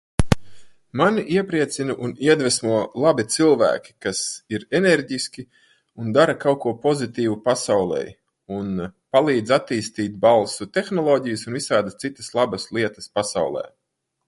Mani iepriecina un iedvesmo labi cilvēki, kas ir enerģiski un dara kaut ko pozitīvu pasaulei un palīdz attīstīt balsu tehnoloģijas un visādas citādas labas lietas pasaulē.